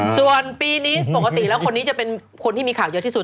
ส่วนปีนี้ปกติแล้วคนนี้จะเป็นคนที่มีข่าวเยอะที่สุด